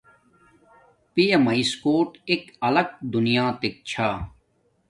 پیا میس کوٹ ایک الاک دونیاتک چھا